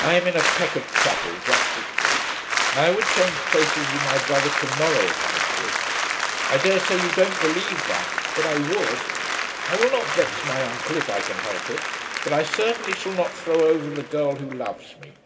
"I'm in a peck of troubles; that's the truth. I would change places with my brother to morrow if I could. I daresay you don't believe that, but I would. I will not vex my uncle if I can help it, but I certainly shall not throw over the girl who loves me.